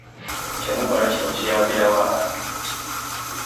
Kye mukola kino kiyambira wa abantu?